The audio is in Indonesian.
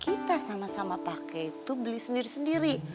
kita sama sama pakai itu beli sendiri sendiri